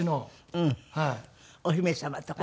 お姫様とかね。